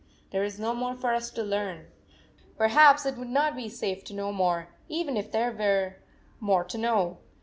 There is no more for us to learn. Perhaps it would not be safe to know more, even if there were more to know